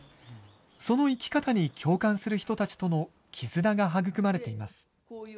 その生き方に共感する人たちとの絆が育まれています。